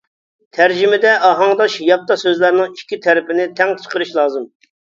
تەرجىمىدە ئاھاڭداش ياپتا سۆزلەرنىڭ ئىككى تەرىپىنى تەڭ چىقىرىش لازىم.